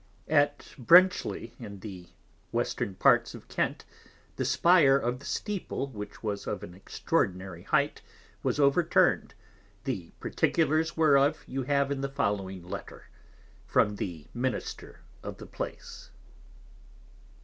_ At Brenchly in the Western Parts of Kent, _the Spire of the Steeple which was of an extraordinary hight was overturn'd; the particulars whereof you have in the following Letter, from the Minister of the place.